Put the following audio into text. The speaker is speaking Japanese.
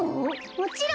もちろん。